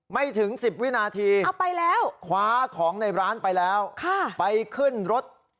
ไม่ถึง๑๐วินาทีเอาไปแล้วคว้าของในร้านไปแล้วไปขึ้นรถ